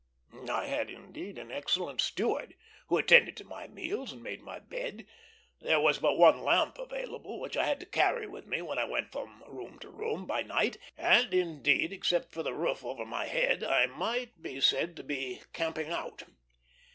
I had, indeed, an excellent steward, who attended to my meals and made my bed. There was but one lamp available, which I had to carry with me when I went from room to room by night; and, indeed, except for the roof over my head, I might be said to be "camping out."